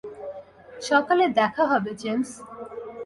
সকালে দেখা হবে, জেমস।